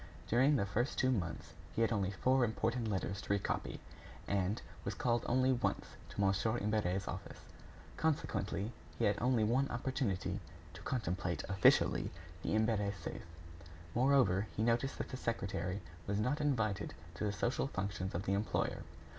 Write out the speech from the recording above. During the first two months, he had only four important letters to recopy, and was called only once to Mon. Imbert's office; consequently, he had only one opportunity to contemplate, officially, the Imbert safe. Moreover, he noticed that the secretary was not invited to the social functions of the employer.